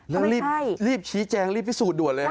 แล้วรีบชี้แจงรีบพิสูจนด่วนเลย